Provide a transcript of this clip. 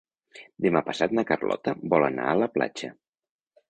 Demà passat na Carlota vol anar a la platja.